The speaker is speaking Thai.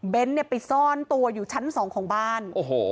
เบนต์เนี้ยไปซ่อนตัวอยู่ชั้นสองของบ้าน